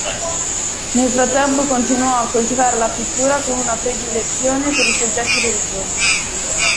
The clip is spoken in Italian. Nel frattempo continuò a coltivare la pittura, con una predilezione per i soggetti religiosi.